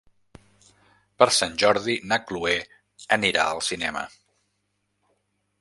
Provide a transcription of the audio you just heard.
Per Sant Jordi na Cloè anirà al cinema.